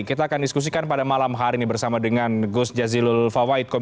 kita akan diskusikan pada malam hari ini bersama dengan gus jazilul fawait